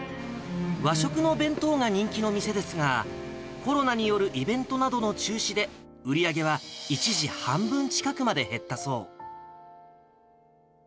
和食の弁当が人気の店ですが、コロナによるイベントなどの中止で、売り上げは一時、半分近くまで減ったそう。